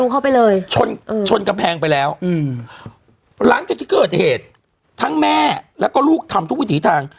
เข้าไปเลยชนชนกำแพงไปแล้วอืมหลังจากที่เกิดเหตุทั้งแม่แล้วก็ลูกทำทุกวิถีทาง